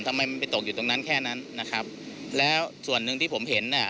ทำไมมันไปตกอยู่ตรงนั้นแค่นั้นนะครับแล้วส่วนหนึ่งที่ผมเห็นน่ะ